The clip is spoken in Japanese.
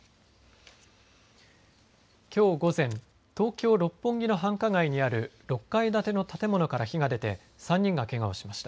きょう午前、東京六本木の繁華街にある６階建ての建物から火が出て３人がけがをしました。